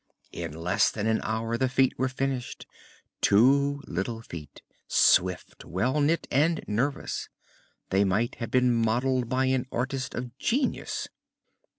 In less than an hour the feet were finished: two little feet swift, well knit and nervous. They might have been modelled by an artist of genius.